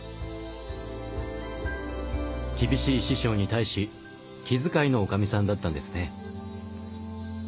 厳しい師匠に対し気遣いの女将さんだったんですね。